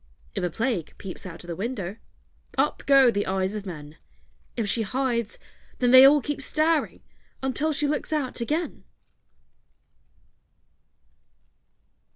If a Plague peeps out of the window, Up go the eyes of men; If she hides, then they all keep staring Until she looks out again.